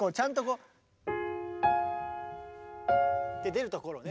出るところをね